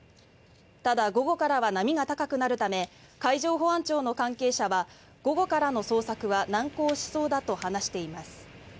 ただ午後からは波が高くなるため海上保安庁の関係者は午後からの捜索は難航しそうだと話しています。